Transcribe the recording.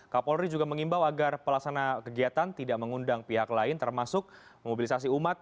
kapolri juga mengimbau agar pelaksana kegiatan tidak mengundang pihak lain termasuk mobilisasi umat